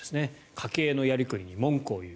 家計のやりくりに文句を言う。